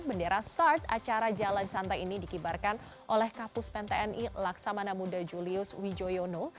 bendera start acara jalan santai ini dikibarkan oleh kapus pen tni laksamana muda julius wijoyono